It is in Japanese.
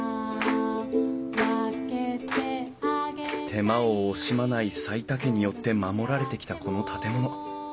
手間を惜しまない齋田家によって守られてきたこの建物。